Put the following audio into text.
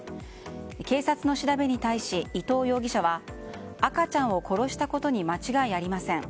警察の調べに対し、伊藤容疑者は赤ちゃんを殺したことに間違いありません